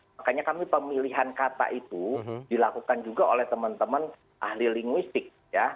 makanya kami pemilihan kata itu dilakukan juga oleh teman teman ahli linguistik ya